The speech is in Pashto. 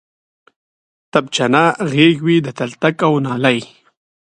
تبجنه غیږ وی د تلتک او نالۍ